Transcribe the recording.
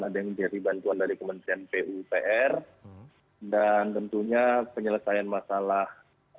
ada yang menjadi bantuan dari kementerian pupr dan tentunya penyelesaian masalah